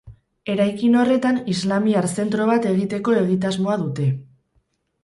Eraikin horretan islamiar zentro bat egiteko egitasmoa dute.